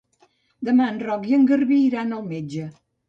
Demà en Roc i en Garbí iran al metge.